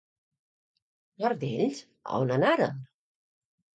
Part d'ells, a on anaren?